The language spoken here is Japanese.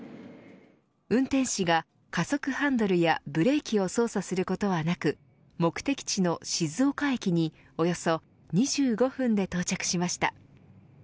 運転士が、加速ハンドルやブレーキを操作することはなく目的地の静岡駅におよそ２５分で到着しました。